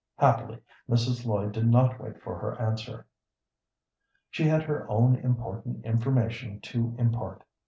Happily, Mrs. Lloyd did not wait for her answer. She had her own important information to impart.